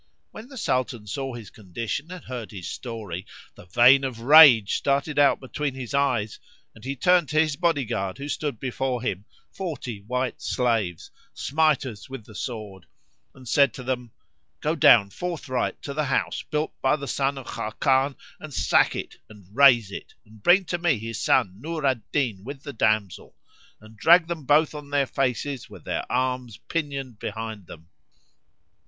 When the Sultan saw his condition and heard his story, the vein of rage started out between his eyes[FN#37] and he turned to his body guard who stood before him, forty white slaves, smiters with the sword, and said to them, "Go down forthright to the house built by the son of Khákán and sack it and raze it and bring to me his son Nur al Din with the damsel; and drag them both on their faces with their arms pinioned behind them."